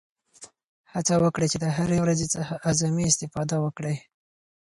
هڅه وکړئ چې د هرې ورځې څخه اعظمي استفاده وکړئ.